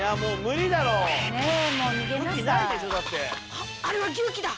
「あっあれは牛鬼だ」